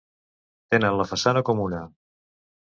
Tenen la façana comuna.